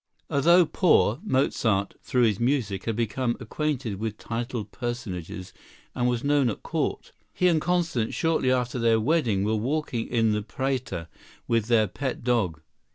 ] Although poor, Mozart, through his music, had become acquainted with titled personages and was known at court. He and Constance, shortly after their wedding, were walking in the Prater with their pet dog.